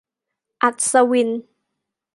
- อัศวิน